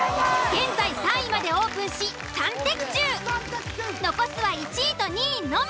現在３位までオープンし残すは１位と２位のみ。